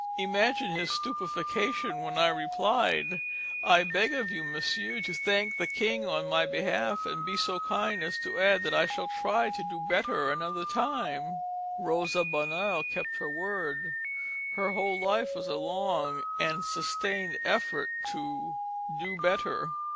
Imagine his stupefaction when I replied: 'I beg of you, Monsieur, to thank the king on my behalf, and be so kind as to add that I shall try to do better another time.'" Rosa Bonheur kept her word: her whole life was a long and sustained effort to "do better."